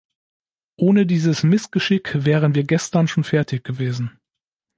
Ohne dieses Missgeschick wären wir gestern schon fertig gewesen.